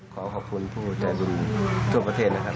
ขอขอบคุณผู้ใจบุญทั่วประเทศนะครับ